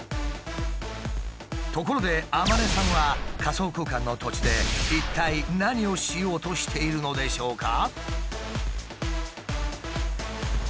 ところでアマネさんは仮想空間の土地で一体何をしようとしているのでしょうか？